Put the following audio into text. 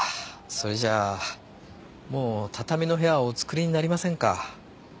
それじゃもう畳の部屋はお作りになりませんか。